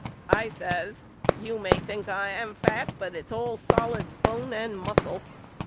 I says You may think I am fat, but it's all solid bone and muscle.